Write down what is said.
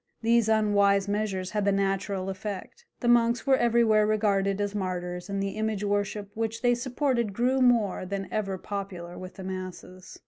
These unwise measures had the natural effect: the monks were everywhere regarded as martyrs, and the image worship which they supported grew more than ever popular with the masses.